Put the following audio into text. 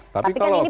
tapi kalau kemudian